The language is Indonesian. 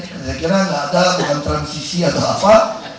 saya kira tidak ada transisi atau apa